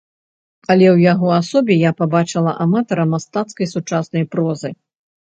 Але ў яго асобе я пабачыла аматара мастацкай сучаснай прозы.